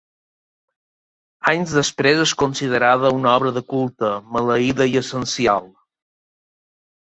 Anys després és considerada una obra de culte, maleïda i essencial.